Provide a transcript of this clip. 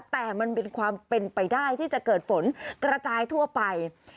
แต่มันเป็นความเป็นไปได้ที่จะเกิดฝนกระจายทั่วไป